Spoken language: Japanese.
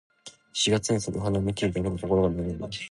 四月に咲く桜は、見ているだけで心が和む。